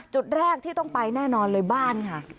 จุดแรกที่ต้องไปแน่นอนเลยบ้านค่ะ